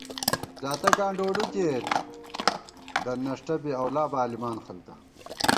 زاتَکاں ڈوڈُو کېئیت دن نݭٹہ بی اَولا بالِمان خلکا